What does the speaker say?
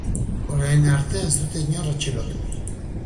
Orain arte ez dute inor atxilotu.